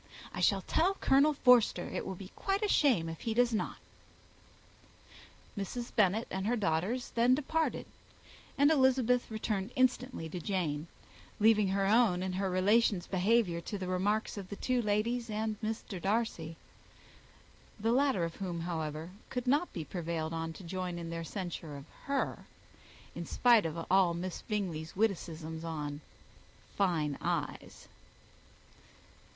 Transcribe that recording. I shall tell Colonel Forster it will be quite a shame if he does not." Mrs. Bennet and her daughters then departed, and Elizabeth returned instantly to Jane, leaving her own and her relations' behaviour to the remarks of the two ladies and Mr. Darcy; the latter of whom, however, could not be prevailed on to join in their censure of her, in spite of all Miss Bingley's witticisms on fine eyes.